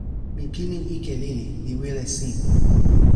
mi pilin ike lili, li wile sin.